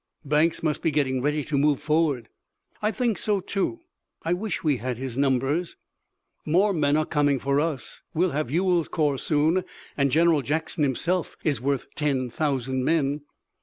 "Banks must be getting ready to move forward." "I think so, too. I wish we had his numbers." "More men are coming for us. We'll have Ewell's corps soon, and General Jackson himself is worth ten thousand men."